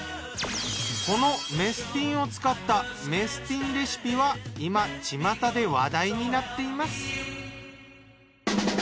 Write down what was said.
このメスティンを使ったメスティンレシピは今ちまたで話題になっています。